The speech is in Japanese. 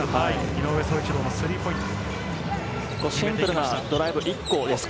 井上宗一郎のスリーポイントです。